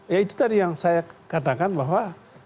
ya itu tadi yang saya katakan bahwa